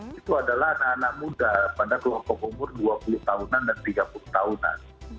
itu adalah anak anak muda pada kelompok umur dua puluh tahunan dan tiga puluh tahunan